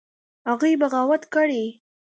هغوى بغاوت کړى.